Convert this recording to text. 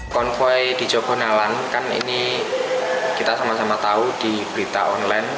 konvoi di jawa tengah kan ini kita sama sama tahu di berita online